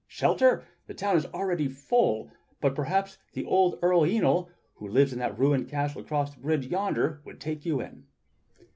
Shelter? The town is already full, but perhaps the old Earl Yniol who lives in that ruined castle across the bridge yonder would take you in."